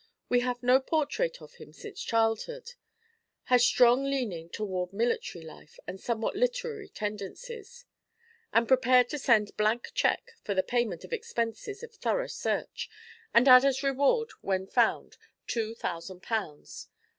We have no portrait of him since childhood. Has strong leaning toward military life and somewhat literary tendencies. Am prepared to send blank cheque for the payment of expenses of thorough search, and add as reward when found two thousand pounds.